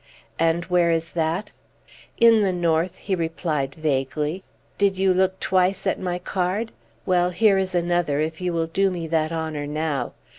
"And where is that?" "In the north," he replied vaguely. "Did you look twice at my card? Well, here is another, if you will do me that honor now.